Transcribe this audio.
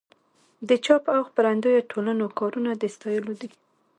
د چاپ او خپرندویه ټولنو کارونه د ستایلو دي.